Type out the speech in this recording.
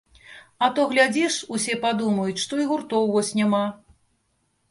А то глядзіш, усе падумаюць, што і гуртоў вось няма!